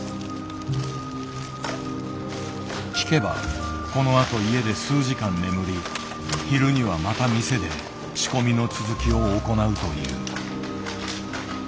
聞けばこのあと家で数時間眠り昼にはまた店で仕込みの続きを行うという。